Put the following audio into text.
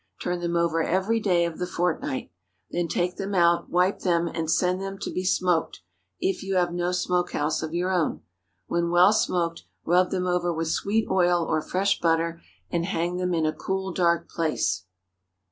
Turn them over every day of the fortnight. Then take them out, wipe them, and send them to be smoked, if you have no smoke house of your own. When well smoked, rub them over with sweet oil or fresh butter, and hang them in a cool, dark place.